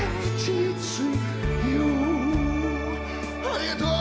ありがとう！